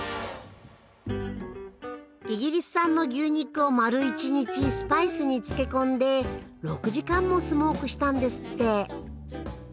イギリス産の牛肉を丸一日スパイスに漬け込んで６時間もスモークしたんですって。